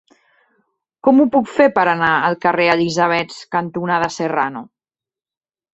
Com ho puc fer per anar al carrer Elisabets cantonada Serrano?